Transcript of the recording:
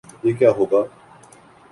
یہ کیا ہو گا؟